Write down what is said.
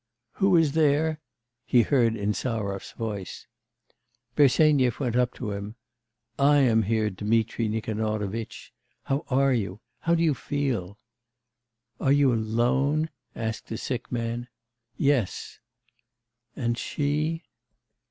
'Who is here?' he heard Insarov's voice. Bersenyev went up to him. 'I am here, Dmitri Nikanorovitch. How are you? How do you feel?' 'Are you alone?' asked the sick man. 'Yes.' 'And she?